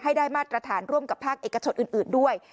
ให้ได้มาตรฐานร่วมกับภาคเอกชนอื่นด้วย